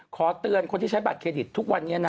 ขอเตือนคนที่ใช้บัตรเครดิตทุกวันนี้นะ